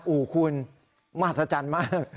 อู่คุณมหัศจรรย์มาก